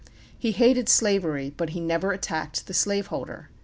He hated slavery; but he never attacked the slaveholder.